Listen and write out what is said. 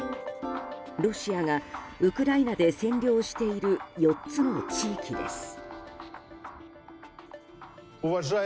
ロシアがウクライナで占領している４つの地域です。